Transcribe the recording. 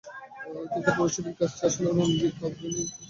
কিন্তু পুরো ছবির কাজটি আসলে রণবীরের জন্য এতটা সহজও ছিল না।